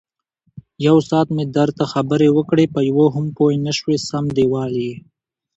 یوساعت مې درته خبرې وکړې، په یوه هم پوی نشوې سم دېوال یې.